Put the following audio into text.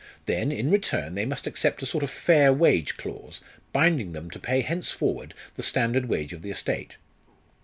Then, in return they must accept a sort of fair wage clause, binding them to pay henceforward the standard wage of the estate."